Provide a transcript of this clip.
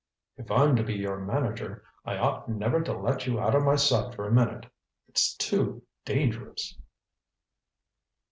"If I'm to be your manager, I ought never to let you out of my sight for a minute. It's too dangerous."